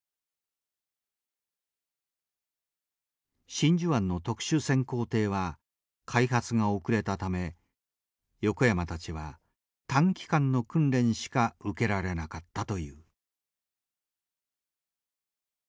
真珠湾の特殊潜航艇は開発が遅れたため横山たちは短期間の訓練しか受けられなかったという。